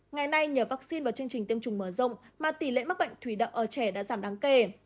ngày nay nhờ vaccine vào chương trình tiêm chủng mở rộng mà tỷ lệ mắc bệnh thủy đậm ở trẻ đã giảm đáng kể